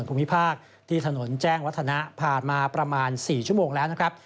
ภูมิภาคที่ถนนแจ้งวัฒนะผ่านมาประมาณ๔ชั่วโมงแล้วนะครับ